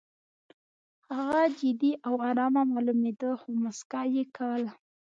هغه جدي او ارامه معلومېده خو موسکا یې کوله